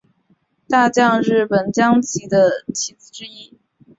大将是日本将棋的棋子之一。